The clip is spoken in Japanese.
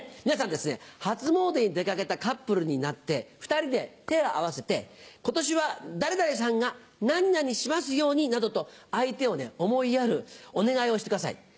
皆さん初詣に出掛けたカップルになって２人で手を合わせて「今年は誰々さんが何々しますように」などと相手を思いやるお願いをしてください。